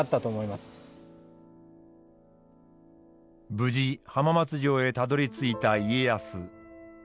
無事浜松城へたどりついた家康。